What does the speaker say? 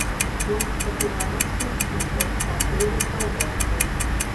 Ён катэгарычна супраць такой рэстаўрацыі.